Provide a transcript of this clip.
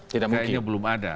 kayaknya belum ada